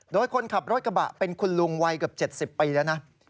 โดยคนขับรถกระบะเป็นคุณลุงวัยเกือบ๗๐ปีแล้วนะ